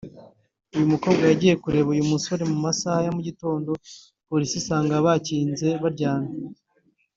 uyu mukobwa yagiye kureba uyu musore mu masaha ya mugitondo polisi isanga bakinze baryamye